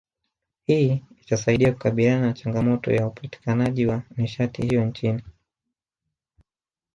Hii itasaidia kukabiliana na changamoto ya upatikanaji wa nishati hiyo nchini